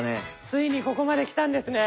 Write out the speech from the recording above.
ついにここまできたんですね！